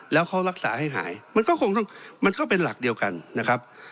แล้วเขารักษาให้หายมันก็คงต้องมันก็เป็นหลักเดียวกันนะครับ